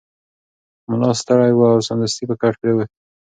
ملا ستړی و او سمدستي په کټ پریوت.